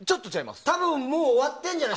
多分もう終わってんじゃない？